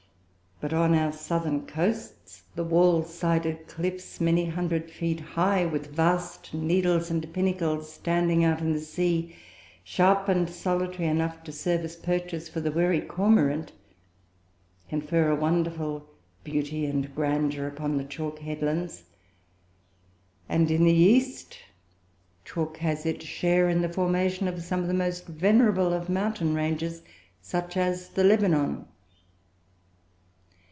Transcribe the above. But on our southern coasts, the wall sided cliffs, many hundred feet high, with vast needles and pinnacles standing out in the sea, sharp and solitary enough to serve as perches for the wary cormorant, confer a wonderful beauty and grandeur upon the chalk headlands. And, in the East, chalk has its share in the formation of some of the most venerable of mountain ranges, such as the Lebanon.